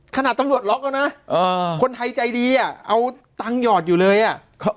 ขนาดตำลวดล็อกเอานะอ่าคนไทยใจดีอ่ะเอาตังหยอดอยู่เลยอ่ะ